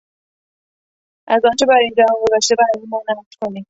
از آنچه بر این جهان گذشته برای ما نقل کنید!